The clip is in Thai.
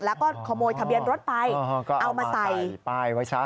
แล้วก็ขโมยทะเบียนรถไปเอามาใส่ป้ายไว้ซะ